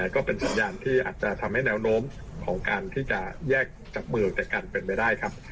ก็เป็นสัญญาณที่อาจจะทำให้แนวโน้มของการที่จะแยกจับมือแต่กันเป็นไปได้ครับ